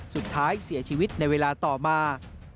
สุดท้ายเสียชีวิตในเวลาต่อมา